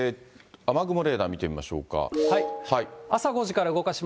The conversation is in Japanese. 雨雲レーダー見てみましょうか。